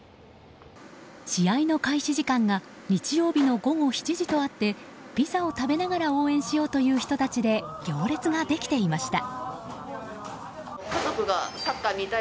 試合の開始時間が日曜日の午後７時とあってピザを食べながら応援しようという人たちで行列ができていました。